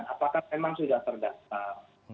apakah memang sudah terdaftar seperti itu